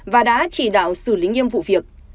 và đã chỉ đạo xử lý nghiêm vụ việc